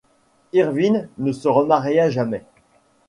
Irving ne se remaria jamais.